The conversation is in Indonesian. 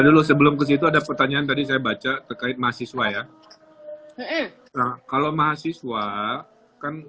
dulu sebelum ke situ ada pertanyaan tadi saya baca terkait mahasiswa ya kalau mahasiswa kan